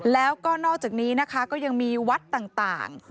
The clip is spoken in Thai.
แล้วก็นอกจากนี้นะคะก็ยังมีวัดต่าง